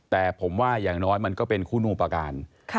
แต่ผมว่าอย่างน้อยมันก็เป็นคู่นูประการ